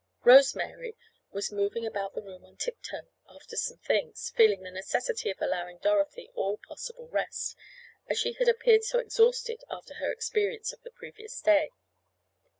Rose Mary was moving about the room on tip toe after some things, feeling the necessity of allowing Dorothy all possible rest, as she had appeared so exhausted after her experience of the previous day.